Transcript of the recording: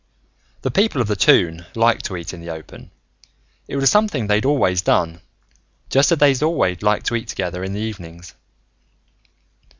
The people of the Toon like to eat in the open. It was something they'd always done, just as they'd always like to eat together in the evenings.